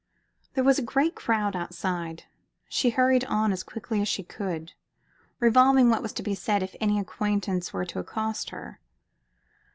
There was a great crowd outside. She hurried on as quickly as she could, revolving what was to be said if any acquaintance were to accost her.